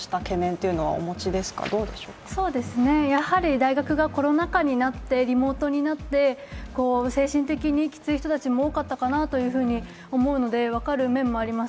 大学がコロナ禍になってリモートになって精神的にきつい人たちも多かったかなと思うので分かる面もあります。